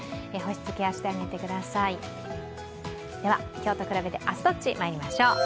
今日と比べて、明日どっちまいりましょう。